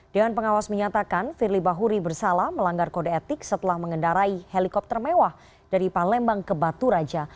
dewan pengawas menyatakan firly bahuri bersalah melanggar kode etik setelah mengendarai helikopter mewah dari palembang ke batu raja